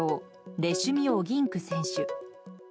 レシュミ・オギンク選手。